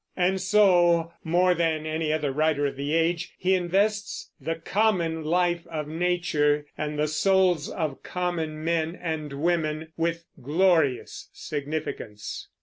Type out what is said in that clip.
And so, more than any other writer of the age, he invests the common life of nature, and the souls of common men and women, with glorious significance.